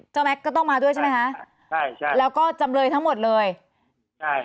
แม็กซก็ต้องมาด้วยใช่ไหมคะใช่ใช่แล้วก็จำเลยทั้งหมดเลยใช่